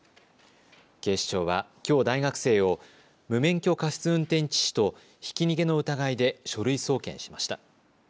警視庁はきょう大学生を無免許過失運転致死とひき逃げの疑いで書類送検しました。